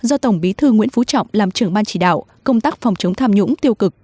do tổng bí thư nguyễn phú trọng làm trưởng ban chỉ đạo công tác phòng chống tham nhũng tiêu cực